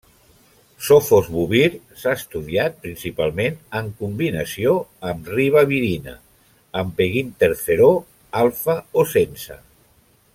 Sofosbuvir s'ha estudiat principalment en combinació amb ribavirina, amb peginterferó alfa o sense.